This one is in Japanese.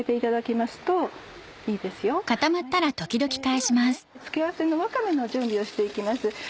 では付け合わせのわかめの準備をして行きます。